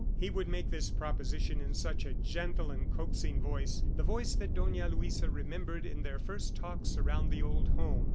He would make this proposition in such a gentle and coaxing voice the voice that Dona Luisa remembered in their first talks around the old home.